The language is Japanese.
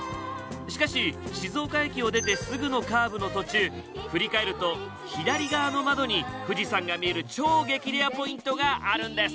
しかし静岡駅を出てすぐのカーブの途中振り返ると左側の窓に富士山が見える超激レアポイントがあるんです。